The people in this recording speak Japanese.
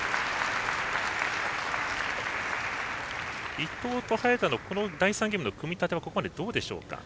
伊藤と早田の第３ゲームの組み立てはここまでどうでしょうか？